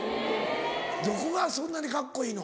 どこがそんなにカッコいいの？